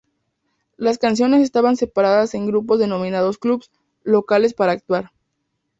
Las canciones estaban separadas en grupos denominados "Clubs", locales para actuar.